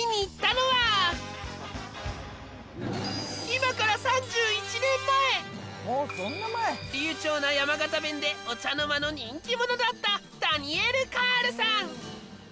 今から流暢な山形弁でお茶の間の人気者だったダニエル・カールさん